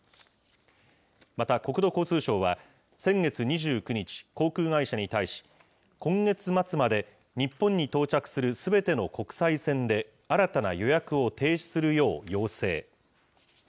また国土交通省は先月２９日、航空会社に対し、今月末まで日本に到着するすべての国際線で、新たな予約を停止するよう要請。